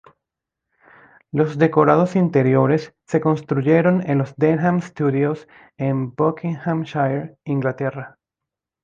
Los decorados interiores se construyeron en los Denham Studios en Buckinghamshire, Inglaterra.